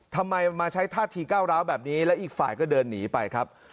ทำไมมาใช้ท่าทีก้าวร้าวแบบนี้แล้วอีกฝ่ายก็เดินหนีไปครับ